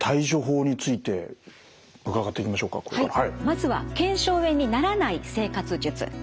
まずは腱鞘炎にならない生活術。